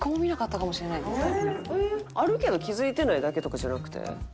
あるけど気づいてないだけとかじゃなくて？